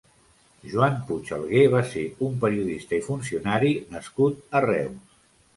Joan Puig Alguer va ser un periodista i funcionari nascut a Reus.